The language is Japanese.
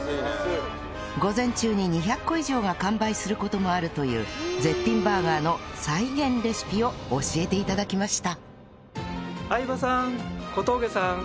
午前中に２００個以上が完売する事もあるという絶品バーガーの再現レシピを教えて頂きました